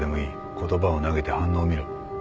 言葉を投げて反応を見ろ。